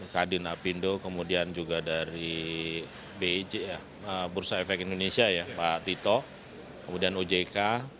kadin apindo kemudian juga dari bursa efek indonesia ya pak tito kemudian ojk